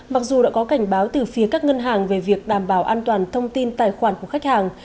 mặc dù đã có cảnh báo từ phía các ngân hàng về việc đảm bảo an toàn thông tin tài khoản của khách hàng